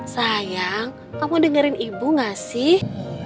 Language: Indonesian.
sayang kamu dengerin ibu gak sih